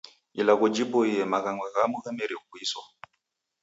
Ilagho jiboie maghanga ghamu ghamerie kuiswa.